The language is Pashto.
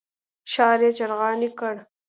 ښار یې څراغاني کړ.